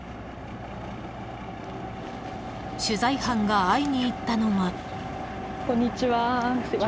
［取材班が会いに行ったのは］